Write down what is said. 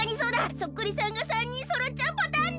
そっくりさんが３にんそろっちゃうパターンだ！